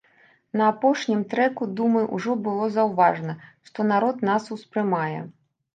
На апошнім трэку, думаю, ўжо было заўважна, што народ нас успрымае.